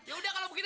yaudah kalo begitu